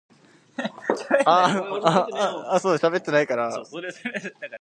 She also contributed vocals on that release.